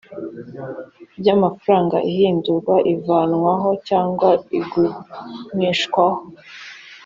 by amafaranga ihindurwa ivanwahocyangwa igumishwaho